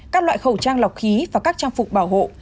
các loại khẩu trang lọc khí và các trang phục bảo hộ